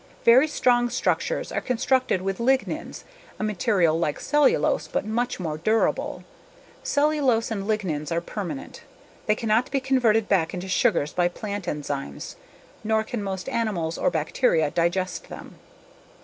Very strong structures are constructed with lignins, a material like cellulose but much more durable. Cellulose and lignins are permanent. They cannot be converted back into sugar by plant enzymes. Nor can most animals or bacteria digest them.